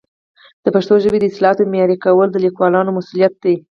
د پښتو ژبې د اصطلاحاتو معیاري کول د لیکوالانو مسؤلیت دی.